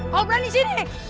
kau berani sini